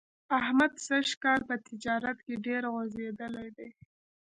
احمد سږ کال په تجارت کې ډېر غورځېدلی دی.